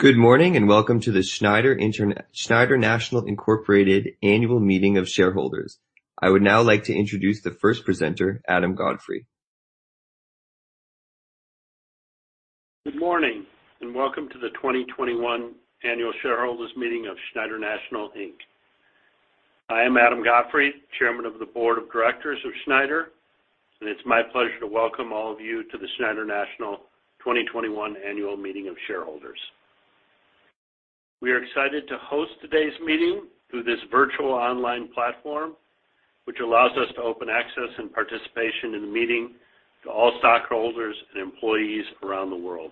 Good morning, and welcome to the Schneider National Incorporated Annual Meeting of Shareholders. I would now like to introduce the first presenter, Adam Godfrey. Good morning, and welcome to the 2021 Annual Shareholders Meeting of Schneider National Inc. I am Adam Godfrey, Chairman of the Board of Directors of Schneider, and it's my pleasure to welcome all of you to the Schneider National 2021 Annual Meeting of Shareholders. We are excited to host today's meeting through this virtual online platform, which allows us to open access and participation in the meeting to all stockholders and employees around the world.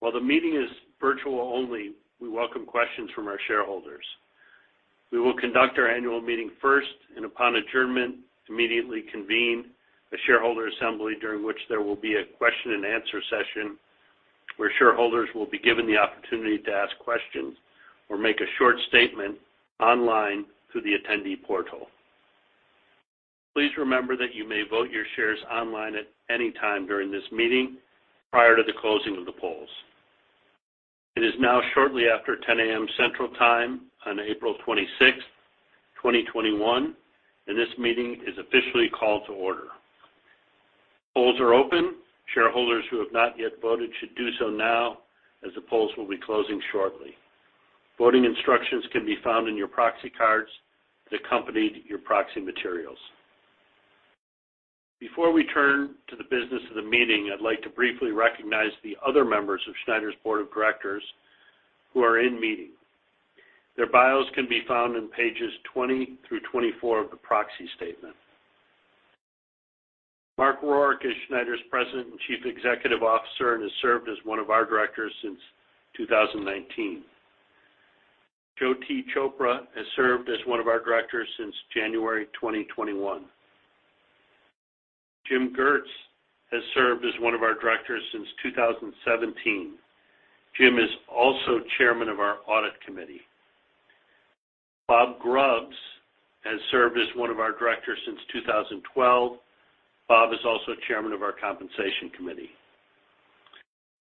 While the meeting is virtual only, we welcome questions from our shareholders. We will conduct our annual meeting first, and upon adjournment, immediately convene a shareholder assembly, during which there will be a question and answer session, where shareholders will be given the opportunity to ask questions or make a short statement online through the attendee portal. Please remember that you may vote your shares online at any time during this meeting prior to the closing of the polls. It is now shortly after 10:00 A.M. Central Time on April 26th, 2021, and this meeting is officially called to order. Polls are open. Shareholders who have not yet voted should do so now, as the polls will be closing shortly. Voting instructions can be found in your proxy cards that accompanied your proxy materials. Before we turn to the business of the meeting, I'd like to briefly recognize the other members of Schneider's board of directors who are in meeting. Their bios can be found on pages 20 through 24 of the proxy statement. Mark Rourke is Schneider's President and Chief Executive Officer and has served as one of our directors since 2019. Jyoti Chopra. Chopra has served as one of our directors since January 2021. Jim Giese has served as one of our directors since 2017. Jim is also chairman of our Audit Committee. Bob Grubbs has served as one of our directors since 2012. Bob is also chairman of our Compensation Committee.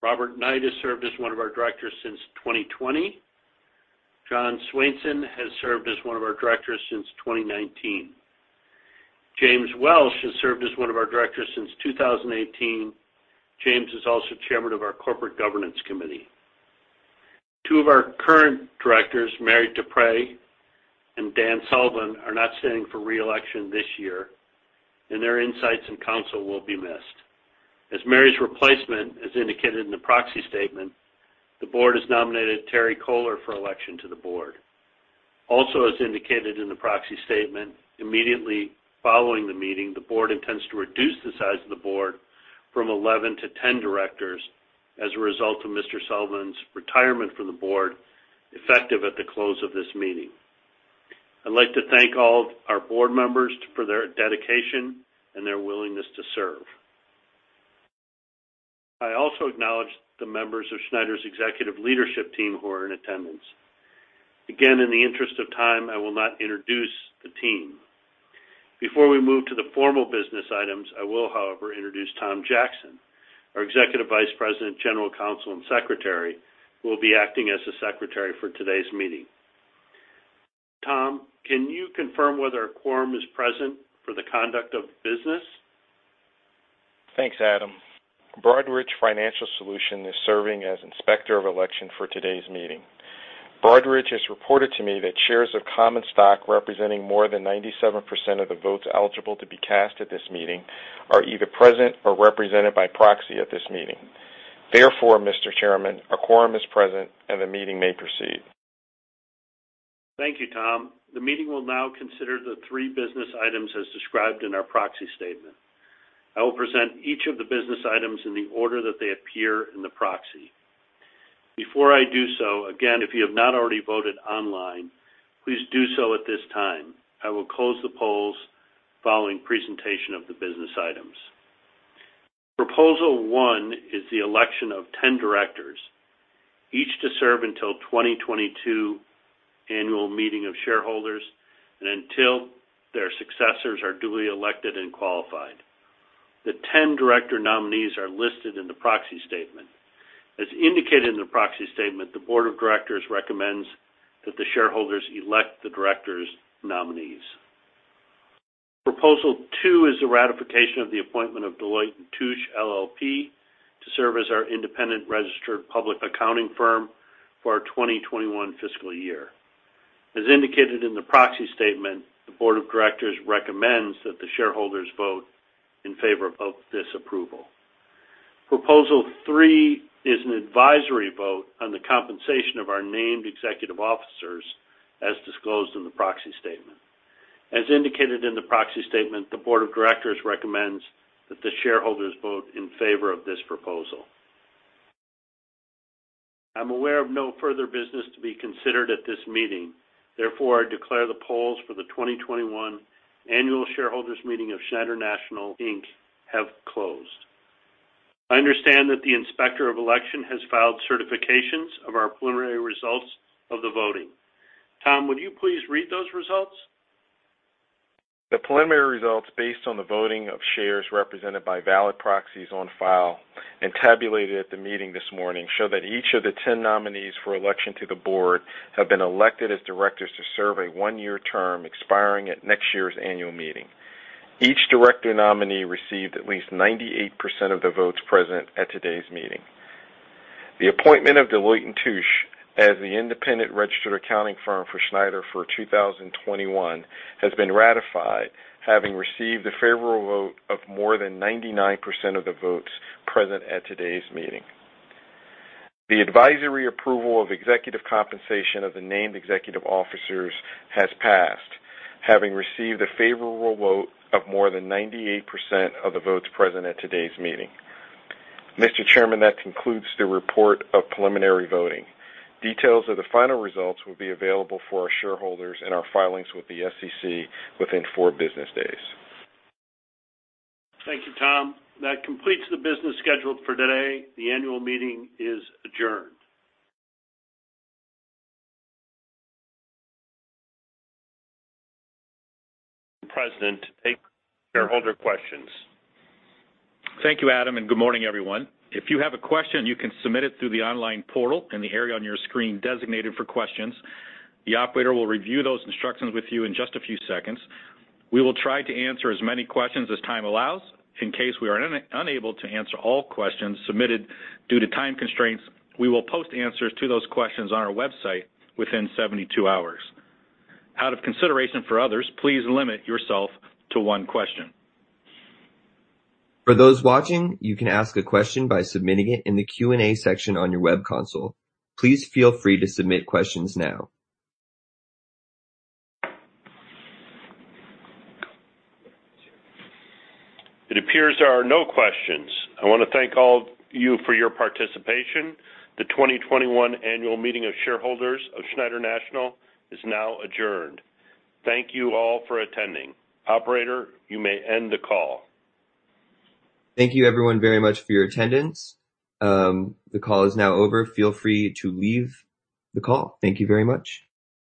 Robert Knight has served as one of our directors since 2020. John Swainson has served as one of our directors since 2019. James Welch has served as one of our directors since 2018. James is also chairman of our Corporate Governance Committee. Two of our current directors, Mary DePrey and Dan Sullivan, are not standing for re-election this year, and their insights and counsel will be missed. As Mary's replacement, as indicated in the Proxy Statement, the board has nominated Teri Koller for election to the board. Also, as indicated in the proxy statement, immediately following the meeting, the board intends to reduce the size of the board from 11 to 10 directors as a result of Mr. Sullivan's retirement from the board, effective at the close of this meeting. I'd like to thank all of our board members for their dedication and their willingness to serve. I also acknowledge the members of Schneider's executive leadership team who are in attendance. Again, in the interest of time, I will not introduce the team. Before we move to the formal business items, I will, however, introduce Thom Jackson, our Executive Vice President, General Counsel, and Secretary, who will be acting as the secretary for today's meeting. Thom, can you confirm whether a quorum is present for the conduct of business? Thanks, Adam. Broadridge Financial Solutions is serving as inspector of election for today's meeting. Broadridge has reported to me that shares of common stock representing more than 97% of the votes eligible to be cast at this meeting are either present or represented by proxy at this meeting. Therefore, Mr. Chairman, a quorum is present, and the meeting may proceed. Thank you, Thom. The meeting will now consider the three business items as described in our proxy statement. I will present each of the business items in the order that they appear in the proxy. Before I do so, again, if you have not already voted online, please do so at this time. I will close the polls following presentation of the business items. Proposal one is the election of 10 directors, each to serve until 2022 Annual Meeting of Shareholders and until their successors are duly elected and qualified. The 10 director nominees are listed in the proxy statement. As indicated in the proxy statement, the board of directors recommends that the shareholders elect the directors' nominees. Proposal two is the ratification of the appointment of Deloitte & Touche LLP to serve as our independent registered public accounting firm for our 2021 fiscal year. As indicated in the Proxy Statement, the Board of Directors recommends that the shareholders vote in favor of this approval. Proposal 3 is an advisory vote on the compensation of our Named Executive Officers, as disclosed in the Proxy Statement. As indicated in the Proxy Statement, the Board of Directors recommends that the shareholders vote in favor of this proposal. I'm aware of no further business to be considered at this meeting. Therefore, I declare the polls for the 2021 Annual Meeting of Shareholders of Schneider National, Inc. have closed. I understand that the Inspector of Election has filed certifications of our preliminary results of the voting. Thom, would you please read those results? ...The preliminary results based on the voting of shares represented by valid proxies on file and tabulated at the meeting this morning, show that each of the 10 nominees for election to the board have been elected as directors to serve a one-year term expiring at next year's annual meeting. Each director nominee received at least 98% of the votes present at today's meeting. The appointment of Deloitte & Touche as the independent registered public accounting firm for Schneider for 2021 has been ratified, having received a favorable vote of more than 99% of the votes present at today's meeting. The advisory approval of executive compensation of the named executive officers has passed, having received a favorable vote of more than 98% of the votes present at today's meeting. Mr. Chairman, that concludes the report of preliminary voting. Details of the final results will be available for our shareholders and our filings with the SEC within four business days. Thank you, Thom. That completes the business scheduled for today. The annual meeting is adjourned. President, take shareholder questions. Thank you, Adam, and good morning, everyone. If you have a question, you can submit it through the online portal in the area on your screen designated for questions. The operator will review those instructions with you in just a few seconds. We will try to answer as many questions as time allows. In case we are unable to answer all questions submitted due to time constraints, we will post answers to those questions on our website within 72 hours. Out of consideration for others, please limit yourself to one question. For those watching, you can ask a question by submitting it in the Q&A section on your web console. Please feel free to submit questions now. It appears there are no questions. I want to thank all of you for your participation. The 2021 Annual Meeting of Shareholders of Schneider National is now adjourned. Thank you all for attending. Operator, you may end the call. Thank you everyone, very much for your attendance. The call is now over. Feel free to leave the call. Thank you very much.